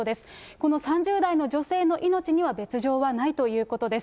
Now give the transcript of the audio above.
この３０代の女性の命には別状はないということです。